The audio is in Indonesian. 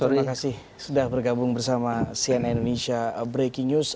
terima kasih sudah bergabung bersama cnn indonesia breaking news